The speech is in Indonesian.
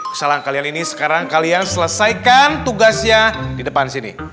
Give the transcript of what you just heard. kesalahan kalian ini sekarang kalian selesaikan tugasnya di depan sini